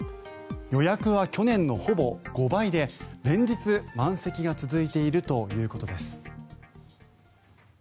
予約は去年のほぼ５倍で連日、満席が続いているということです。